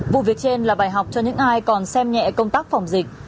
vụ việc trên là bài học cho những ai còn xem nhẹ công tác phòng dịch